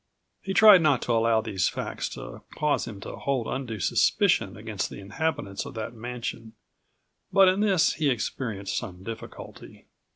He tried not to allow these facts to cause him to hold undue suspicion against the inhabitants of that mansion, but in this he experienced some difficulty.